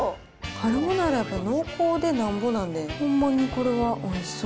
カルボナーラって濃厚でなんぼなんで、ほんまにこれはおいしそう。